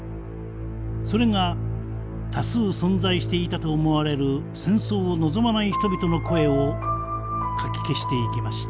それが多数存在していたと思われる戦争を望まない人々の声をかき消していきました。